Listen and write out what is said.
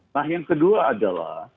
nah yang kedua adalah